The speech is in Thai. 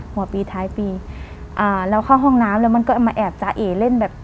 หัวปีท้ายปีอ่าเราเข้าห้องน้ำแล้วมันก็มาแอบสาเอเล่นแบบ